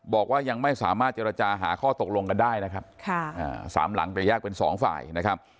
บอกว่ายังไม่สามารถเจรจาหาข้อตกลงกันได้นะครับสามหลังแต่แยกเป็นสองฝ่ายนะครับ